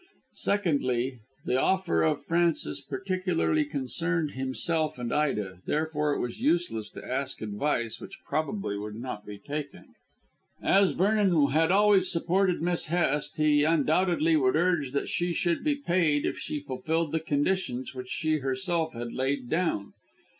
Secondly, the offer of Frances particularly concerned himself and Ida, therefore it was useless to ask advice which probably would not be taken. As Vernon had always supported Miss Hest, he undoubtedly would urge that she should be paid if she fulfilled the conditions which she herself had laid down.